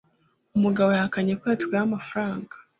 Umugabo yahakanye ko yatwaye amafaranga